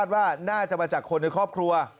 ว่าน่าจะมาจากคนในครอบครัว